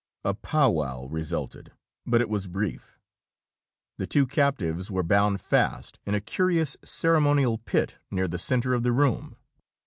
A powwow resulted, but it was brief. The two captives were bound fast in a curious ceremonial pit near the center of the room.